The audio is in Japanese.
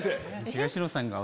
東野さんが。